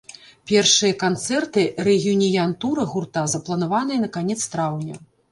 Першыя канцэрты рэюніян-тура гурта запланаваныя на канец траўня.